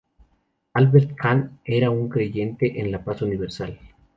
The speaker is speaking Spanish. Albert Kahn era un creyente en la paz universal.